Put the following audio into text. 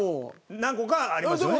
何個かありますね？